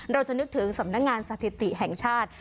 เราจะนึกถึงสำนักงานสถิติแห่งชาติ